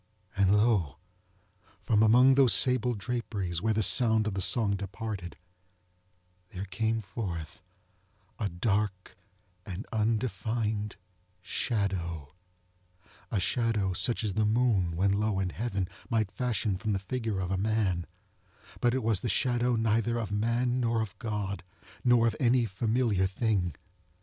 And lo! from among those sable draperies where the sounds of the song departed, there came forth a dark and undefined shadowŌĆöa shadow such as the moon, when low in heaven, might fashion from the figure of a man: but it was the shadow neither of man nor of God, nor of any familiar thing.